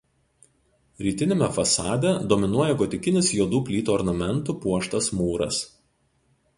Rytiniame fasade dominuoja gotikinis juodų plytų ornamentu puoštas mūras.